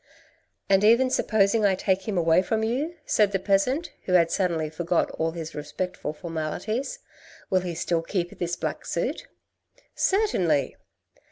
" And even supposing I take him away from you," said the peasant, who had suddenly forgotten all his respectful for malities, " will he still keep this black suit ?"" Certainly